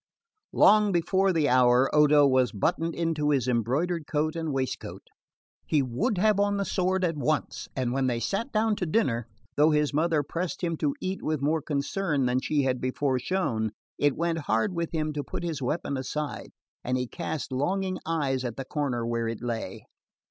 Long before the hour Odo was buttoned into his embroidered coat and waistcoat. He would have on the sword at once, and when they sat down to dinner, though his mother pressed him to eat with more concern than she had before shown, it went hard with him to put his weapon aside, and he cast longing eyes at the corner where it lay.